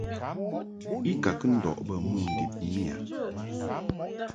I ka kɨ ndɔʼ bə mo ndib miƴa.